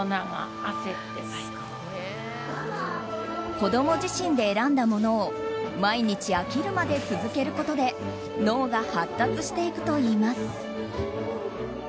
子供自身で選んだものを毎日飽きるまで続けることで脳が発達していくといいます。